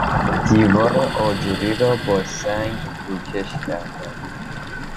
دیوار آجری را با سنگ روکش کردن